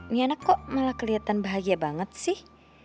niana kok malah kelihatan bahagia banget sih